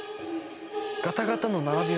ガタガタの並び？